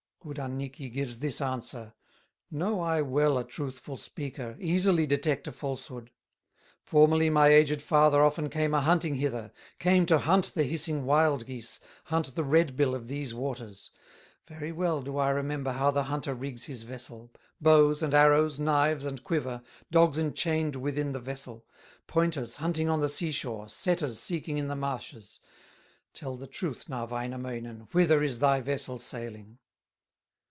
Good Annikki gives this answer: "Know I well a truthful speaker, Easily detect a falsehood; Formerly my aged father Often came a hunting hither, Came to hunt the hissing wild geese, Hunt the red bill of these waters. Very well do I remember How the hunter rigs his vessel, Bows, and arrows, knives, and quiver, Dogs enchained within the vessel, Pointers hunting on the sea shore, Setters seeking in the marshes; Tell the truth now Wainamoinen, Whither is thy vessel sailing?"